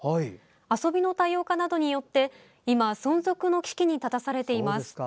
遊びの多様化などによって今、存続の危機に立たされています。